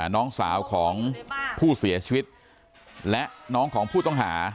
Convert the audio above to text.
น้องสาวของผู้เสียชีวิตและน้องของผู้ต้องหา